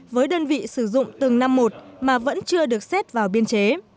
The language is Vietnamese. với đơn vị sử dụng từng năm một mà vẫn chưa được xét vào biên chế